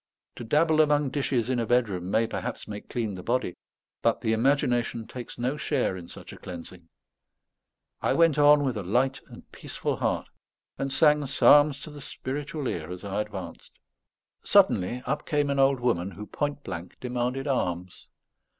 To dabble among dishes in a bedroom may perhaps make clean the body; but the imagination takes no share in such a cleansing. I went on with a light and peaceful heart, and sang psalms to the spiritual ear as I advanced. Suddenly up came an old woman, who point blank demanded alms.